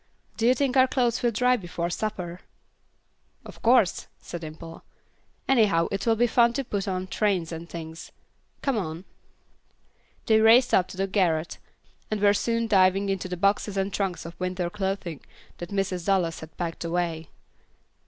Do you think our clothes will dry before supper?" "Of course," said Dimple; "anyhow it will be funny to put on trains and things. Come on." They raced up to the garret, and were soon diving into the boxes and trunks of winter clothing that Mrs. Dallas had packed away.